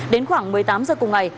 đến khoảng một mươi tám h cùng ngày